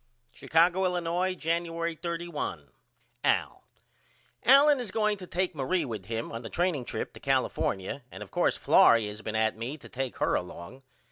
Chicago, Illinois, Januery 31. AL: Allen is going to take Marie with him on the training trip to California and of course Florrie has been at me to take her along.